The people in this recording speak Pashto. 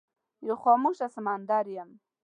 یو خاموشه سمندر یم